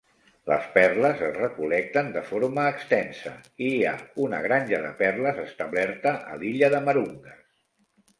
Les perles es recol·lecten de forma extensa i hi ha una granja de perles establerta a l'illa de Marungas.